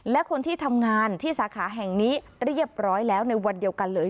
และคนที่ทำงานที่สาขาแห่งนี้เรียบร้อยแล้วในวันเดียวกันเลย